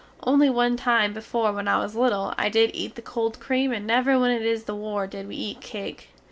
Only one time before when I was little I did eat the cold cream and never when it is the war did we eat cake.